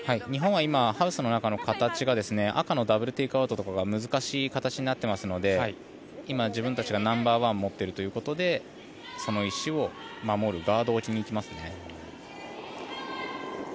日本は今、ハウスの中の形が赤のダブル・テイクアウトが難しい形になってますので今、自分たちがナンバーワンを持っているということでその石を守るガードを置きにいきますね。